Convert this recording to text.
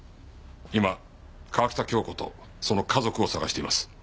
今川喜多京子とその家族を捜しています。